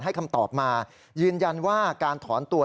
คำตอบมายืนยันว่าการถอนตัว